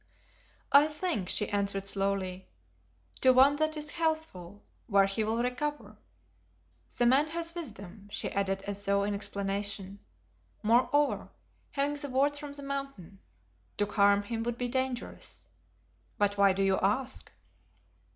"I think," she answered slowly, "to one that is healthful, where he will recover. The man has wisdom," she added as though in explanation, "moreover, having the word from the Mountain, to harm him would be dangerous. But why do you ask?"